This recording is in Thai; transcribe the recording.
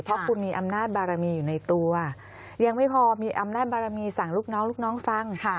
เพราะคุณมีอำนาจบารมีอยู่ในตัวยังไม่พอมีอำนาจบารมีสั่งลูกน้องลูกน้องฟัง